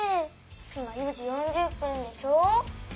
今４時４０分でしょ。